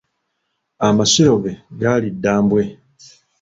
Amasiro ge gali Ddambwe.